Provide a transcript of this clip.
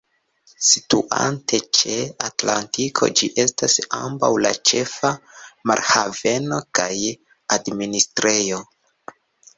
Situante ĉe Atlantiko, ĝi estas ambaŭ la ĉefa marhaveno kaj administrejo.